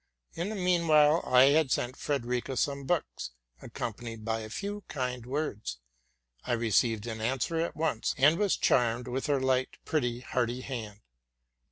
In the mean time I had sent Frederica some books, accompanied by a few kind words. I received an answer at once, and was charmed with her light, pretty, hearty hand.